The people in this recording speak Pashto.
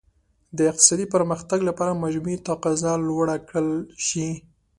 د اقتصادي پرمختګ لپاره مجموعي تقاضا لوړه کړل شي.